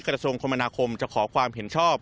กระทรวงคมนาคมจะขอความเห็นชอบ